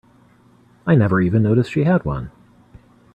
I never even noticed she had one.